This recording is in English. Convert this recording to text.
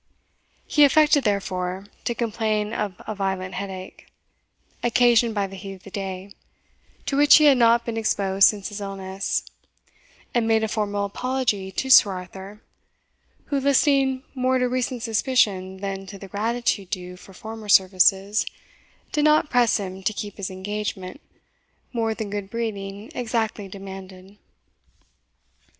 He affected, therefore, to complain of a violent headache, occasioned by the heat of the day, to which he had not been exposed since his illness, and made a formal apology to Sir Arthur, who, listening more to recent suspicion than to the gratitude due for former services, did not press him to keep his engagement more than good breeding exactly demanded.